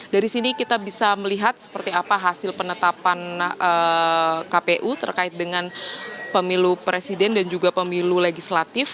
dari sini kita bisa melihat seperti apa hasil penetapan kpu terkait dengan pemilu presiden dan juga pemilu legislatif